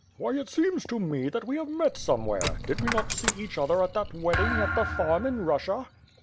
"Why, it seems to me that we have met somewhere? Did we not see each other at that wedding at the farm in Russia?"